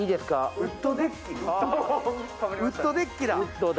ウッドデッキだ。